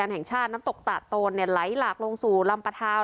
แห่งชาติน้ำตกตาดโตนไหลหลากลงสู่ลำปะทาว